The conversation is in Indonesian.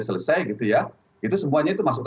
selesai gitu ya itu semuanya itu masuk